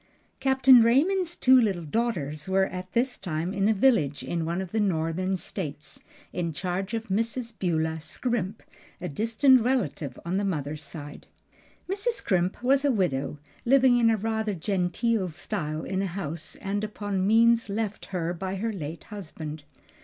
_ Captain Raymond's two little daughters were at this time in a village in one of the Northern States, in charge of Mrs. Beulah Scrimp, a distant relative on the mother's side. Mrs. Scrimp was a widow living in rather genteel style in a house and upon means left her by her late husband.